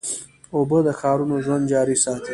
اوبه د ښارونو ژوند جاري ساتي.